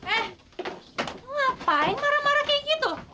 eh ngapain marah marah kayak gitu